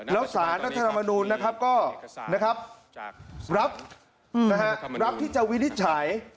แล้วศาลรัฐธรรมนุนนะครับก็นะครับรับที่จะวินิจฉัย